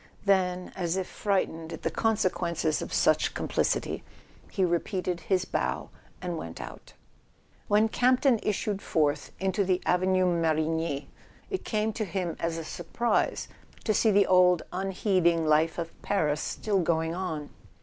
Then, as if frightened at the consequences of such complicity, he repeated his bow and went out. When Campton issued forth into the Avenue Mar igny, it came to him as a surprise to see the old un¬ heeding life of Paris still going on.